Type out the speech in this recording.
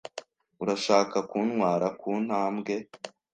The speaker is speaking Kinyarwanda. Urashaka kuntwara kuntambwe?